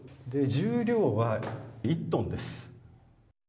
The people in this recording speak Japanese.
重量は１トンです。